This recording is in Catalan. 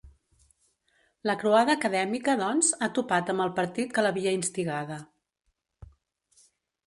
La croada acadèmica, doncs, ha topat amb el partit que l’havia instigada.